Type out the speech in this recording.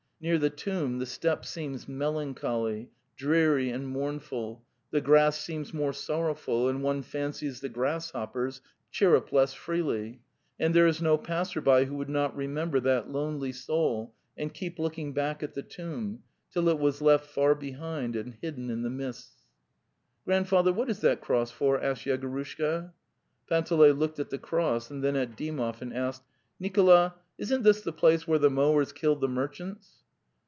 Near the tomb the steppe seems melancholy, dreary and mournful; the grass seems more sorrow ful, and one fancies the grasshoppers chirrup less freely, and there is no passer by who would not re member that lonely soul and keep looking back at the tomb, till it was left far behind and hidden in the mistss: 475 '* Grandfather, what is that cross for?" asked Yegorushka. Panteley looked at the cross and then at Dymov and asked: "Nikola, isn't this the place where the mowers killed the merchants?